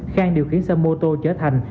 khang điều khiển xe mô tô chở thành